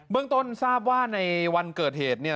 เบื้องตนทราบว่าในวันเกิดเหตุ